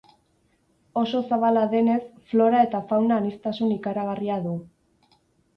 Oso zabala denez, flora eta fauna aniztasun ikaragarria du.